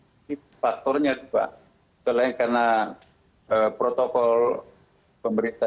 ini faktornya juga selain karena protokol pemerintah